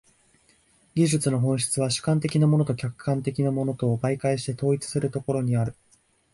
技術の本質は主観的なものと客観的なものとを媒介して統一するところにある。